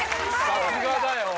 さすがだよ。